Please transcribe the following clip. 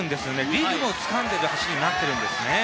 リズムをつかんでいる走りになっているんですね。